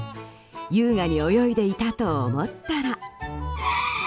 優雅に泳いでいたと思ったら。